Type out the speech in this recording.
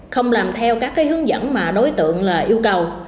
không làm theo các hướng dẫn mà đối tượng yêu cầu